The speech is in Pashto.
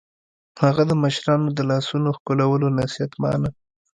هغه د مشرانو د لاسونو ښکلولو نصیحت مانه